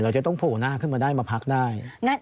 จะต้องโผล่หน้าขึ้นมาได้มาพักได้